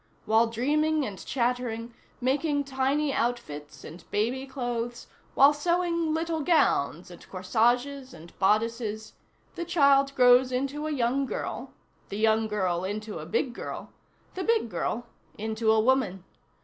While dreaming and chattering, making tiny outfits, and baby clothes, while sewing little gowns, and corsages and bodices, the child grows into a young girl, the young girl into a big girl, the big girl into a woman.